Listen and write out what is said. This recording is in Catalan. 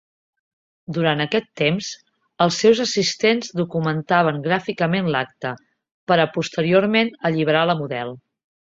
Durant aquest temps, els seus assistents documentaven gràficament l'acte, per a posteriorment alliberar la model.